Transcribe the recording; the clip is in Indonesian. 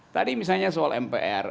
tadi misalnya soal mpr